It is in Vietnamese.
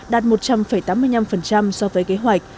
đạt một trăm linh tám mươi năm so với kế hoạch